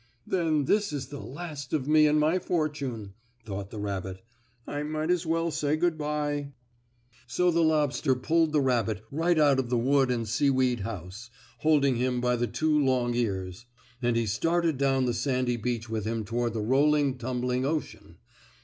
"Then this is the last of me and my fortune," thought the rabbit. "I might as well say good by." So the lobster pulled the rabbit right out of the wood and seaweed house, holding him by the two long ears, and he started down the sandy beach with him toward the rolling, tumbling ocean.